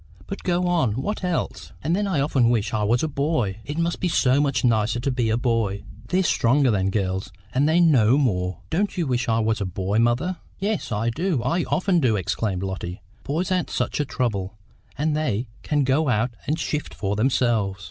"But go on; what else?" "And then I often wish I was a boy. It must be so much nicer to be a boy. They're stronger than girls, and they know more. Don't you wish I was a boy, mother?" "Yes, I do, I often do!" exclaimed Lotty. "Boys aren't such a trouble, and they can go out and shift for themselves."